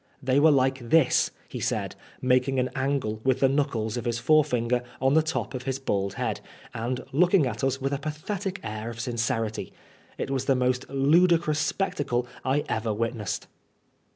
" They were like this," he said, making an angle with the knuckles of his fore finger on the top of his bald head, and looking at us with a pathetic air of sincerity. It was the most ludicrous spectacle I ever witnessed.